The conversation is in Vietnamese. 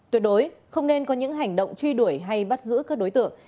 tuyệt đối không nên có những hành động truy đuổi hay bắt giữ các đối tượng